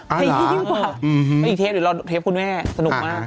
ขยี่ยิ่งกว่าอือฮืออีกเทปเรารอเทปคุณแม่สนุกมาก